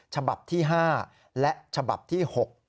ฉบับที่๕และฉบับที่๖